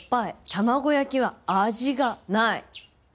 卵焼きは味がない。